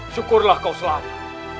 syukurlah kau selamat